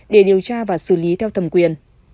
để điều tra và xử lý theo thầm quyền